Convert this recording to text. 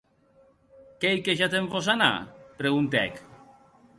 Qu’ei que ja te’n vòs anar?, preguntèc.